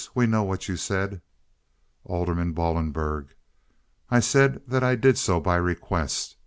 "We know what you said." Alderman Ballenberg. "I said that I did so by request.